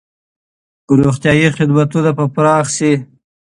روغتیايي خدمتونه به پراخ شي.